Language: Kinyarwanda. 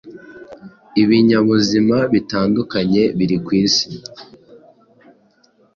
ibinyabuzima bitandukanye biri kwisi